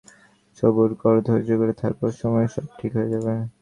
সবুর কর, ধৈর্য ধরে থাক, সময়ে সব ঠিক হয়ে যাবে।